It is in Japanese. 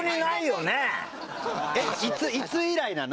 いつ以来なの？